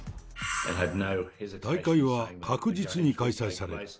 大会は確実に開催される。